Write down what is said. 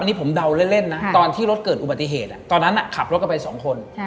อันนี้ผมเดาเล่นนะตอนที่รถเกิดอุบัติเหตุตอนนั้นขับรถกันไปสองคน